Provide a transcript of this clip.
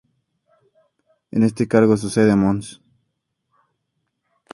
En este cargo sucede a Mons.